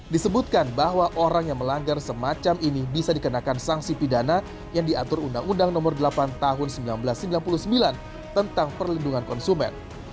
disebutkan bahwa orang yang melanggar semacam ini bisa dikenakan sanksi pidana yang diatur undang undang nomor delapan tahun seribu sembilan ratus sembilan puluh sembilan tentang perlindungan konsumen